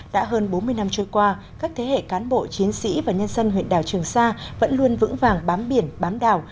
đã hơn bốn mươi năm trôi qua các thế hệ cán bộ chiến sĩ và nhân dân huyện đảo trường sa vẫn luôn vững vàng bám biển bám đảo